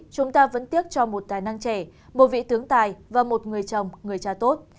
chúng ta vẫn tiếc cho một tài năng trẻ một vị tướng tài và một người chồng người cha tốt